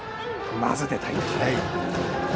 まず出たい。